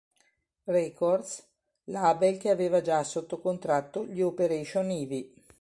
Records, label che aveva già sotto contratto gli Operation Ivy.